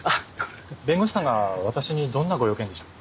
弁護士さんが私にどんなご用件でしょう？